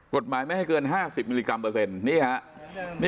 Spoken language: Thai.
กฎหมายไม่ให้เกิน๕๐มิลลิกรัมเปอร์เซ็นต์นี่ฮะ